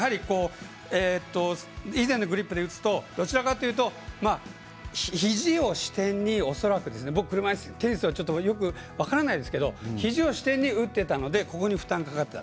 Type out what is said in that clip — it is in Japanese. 以前のグリップで打つとどちらかというと、ひじを支点に僕、車いすテニスはよく分からないですけれどもひじを支点に打ってたので前腕部に負担がかかってた。